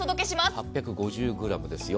８５０ｇですよ。